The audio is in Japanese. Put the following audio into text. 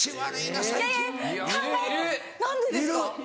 何でですか？